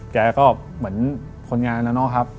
แกก็เหมือนคนงานแล้วเนาะครับ